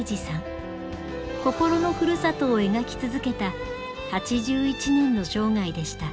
心のふるさとを描き続けた８１年の生涯でした。